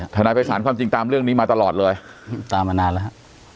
นายภัยศาลความจริงตามเรื่องนี้มาตลอดเลยตามมานานแล้วฮะ